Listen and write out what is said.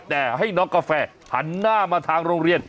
แต่ให้น้องกาแฟหันหน้ามาทางโรงเรียน